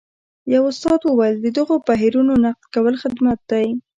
یوه استاد وویل د دغو بهیرونو نقد کول خدمت دی.